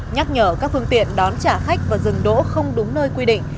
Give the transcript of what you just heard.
nhắc nhở các phương tiện đón trả khách và dừng đỗ không đúng nơi quy định